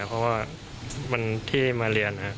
เพราะว่าวันที่มาเรียน